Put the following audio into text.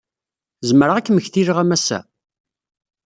Zemreɣ ad kem-ktileɣ a Massa?